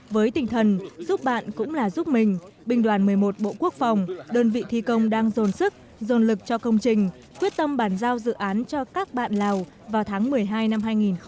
với tinh thần giúp bạn cũng là giúp mình binh đoàn một mươi một bộ quốc phòng đơn vị thi công đang dồn sức dồn lực cho công trình quyết tâm bàn giao dự án cho các bạn lào vào tháng một mươi hai năm hai nghìn một mươi chín